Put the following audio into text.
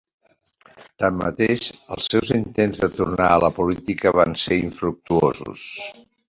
Tanmateix, els seus intents de tornar a la política van ser infructuosos.